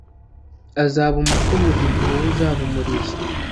azaba umutwe mu gihe wowe uzaba umurizo